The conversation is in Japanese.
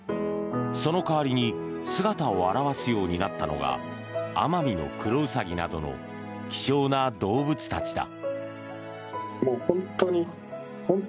その代わりに姿を現すようになったのがアマミノクロウサギなどの希少な動物たちだ。